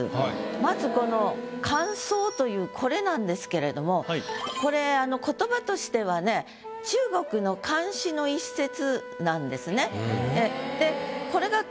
まずこの「寒窓」というこれなんですけれどもこれ言葉としてはね中国の漢詩の一節なんですね。